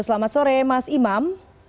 selamat sore mas imam